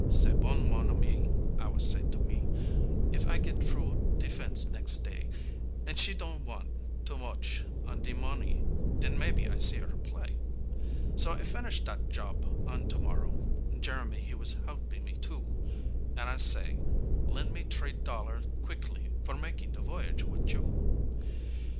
"C'est bon, mon ami," I was say me, "If I get t'roo de fence nex' day An' she don't want too moche on de monee, den mebbe I see her play." So I finish dat job on to morrow, Jeremie he was helpin' me too, An' I say, "Len' me t'ree dollar quickly for mak' de voyage wit' you."